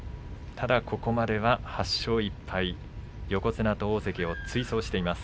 ただここまで８勝１敗横綱と大関を追走しています。